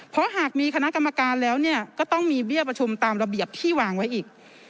เพราะหากมีคณะกรรมการแล้วเนี่ยก็ต้องมีเบี้ยประชุมตามระเบียบที่วางไว้อีก